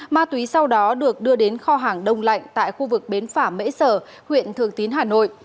ma túy sau đó được đưa đến kho hàng đông lạnh tại khu vực bến phả mễ sở huyện thường tín hà nội